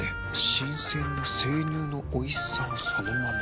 新鮮な生乳のおいしさをそのまま。